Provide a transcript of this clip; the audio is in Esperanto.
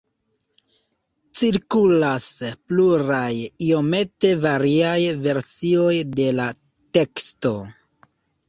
Cirkulas pluraj iomete variaj versioj de la teksto.